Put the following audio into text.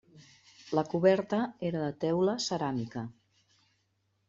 La coberta era de teula ceràmica.